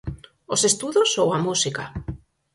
Os estudos ou a música?